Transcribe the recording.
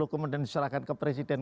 kemudian diserahkan ke presiden